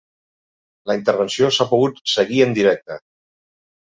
La intervenció s’ha pogut seguir en directe.